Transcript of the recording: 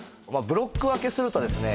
ブロック分けするとですね